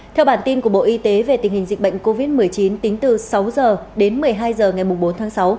theo bản tin của bộ y tế về tình hình dịch bệnh covid một mươi chín tính từ sáu h đến một mươi hai h ngày bốn tháng sáu